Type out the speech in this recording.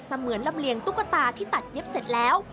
เหมือนลำเลียงตุ๊กตาที่ตัดเย็บเสร็จแล้ว